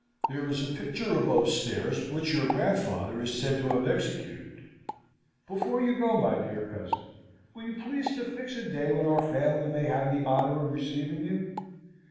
There is a picture above stairs which your grandfather is said to have executed. Before you go, my dear cousin, you will please to fix a day when our family may have the honour of receiving you.